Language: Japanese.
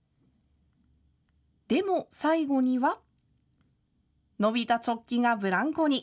でも、最後には、伸びたチョッキがブランコに。